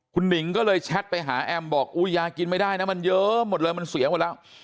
คุณหนิงก็เลยแชทไปหาแอมบอกอุ้ยยากินไม่ได้นะมันเยอะหมดเลยมันเสียหมดแล้ว